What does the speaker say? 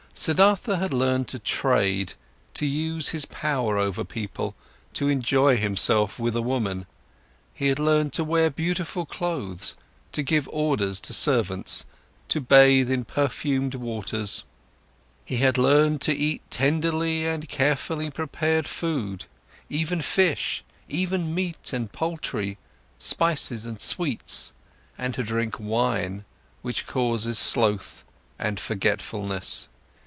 Siddhartha had learned to trade, to use his power over people, to enjoy himself with a woman, he had learned to wear beautiful clothes, to give orders to servants, to bathe in perfumed waters. He had learned to eat tenderly and carefully prepared food, even fish, even meat and poultry, spices and sweets, and to drink wine, which causes sloth and forgetfulness.